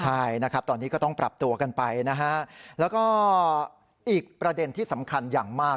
ใช่นะครับตอนนี้ก็ต้องปรับตัวกันไปนะฮะแล้วก็อีกประเด็นที่สำคัญอย่างมาก